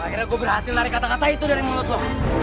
akhirnya gue berhasil lari kata kata itu dari mulut lo